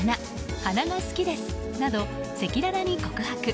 鼻が好きですなど赤裸々に告白。